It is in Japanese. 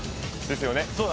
ですよね？